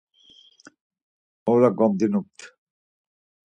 Ora gomdinupt.